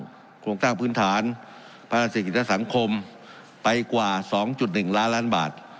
บ้างโครงสร้างพื้นฐานภาษีกิจสังคมไปกว่าสองจุดหนึ่งล้านล้านบาท